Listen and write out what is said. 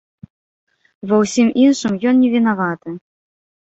Ва ўсім іншым ён не вінаваты.